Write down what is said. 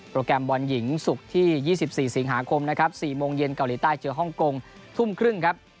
แกรมบอลหญิงศุกร์ที่๒๔สิงหาคมนะครับ๔โมงเย็นเกาหลีใต้เจอฮ่องกงทุ่มครึ่งครับ